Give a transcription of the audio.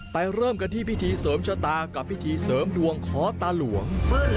เริ่มกันที่พิธีเสริมชะตากับพิธีเสริมดวงขอตาหลวง